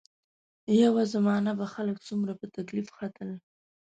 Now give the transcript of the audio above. یوه زمانه به خلک څومره په تکلیف ختل.